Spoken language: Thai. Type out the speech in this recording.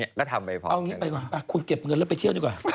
นี่ก็ทำไปพร้อมกันนะเอาอย่างนี้ไปก่อนคุณเก็บเงินแล้วไปเที่ยวดีกว่า